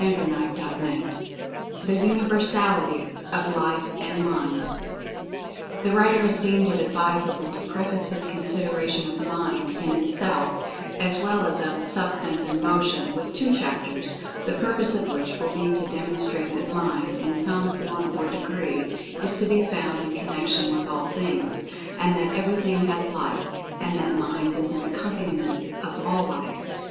"[Pg 30] CHAPTER III THE UNIVERSALITY OF LIFE AND MIND THE writer has deemed it advisable to preface his consideration of "Mind" in itself, as well as of Substance and Motion, with two chapters, the purpose of which will be to demonstrate that Mind, in some form or degree, is to be found in connection with all Things—and that Everything has Life—and that Mind is an accompaniment of all Life.